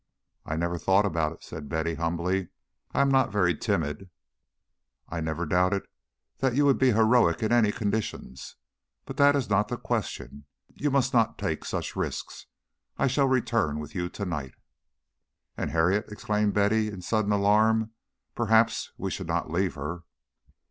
"I never thought about it," said Betty, humbly. "I am not very timid." "I never doubted that you would be heroic in any conditions, but that is not the question. You must not take such risks. I shall return with you tonight " "And Harriet!" exclaimed Betty, in sudden alarm. "Perhaps we should not leave her."